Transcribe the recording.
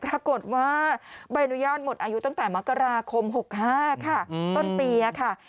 ปรากฏว่าใบอนุญาตหมดอายุตั้งแต่มกราคม๖๕ค่ะต้นปีค่ะ